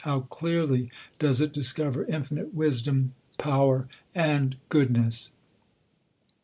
How clearly does it discover infinite wisdom, power, and goodness